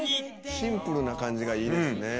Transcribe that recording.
シンプルな感じがいいですね。